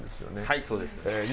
はいそうです。